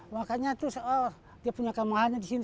makanya itu dia punya kemahannya di sini